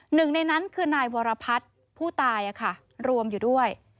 หนึ่งในนั้นคือนายวรพัฒน์ผู้ตายรวมอยู่ด้วย